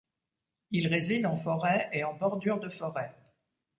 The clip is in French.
Il réside en forêt et en bordure de forêt.